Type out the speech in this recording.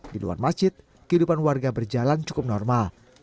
di luar masjid kehidupan warga berjalan cukup normal